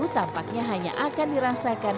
tampaknya hanya akan dirasakan